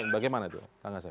bagaimana itu kang ghasem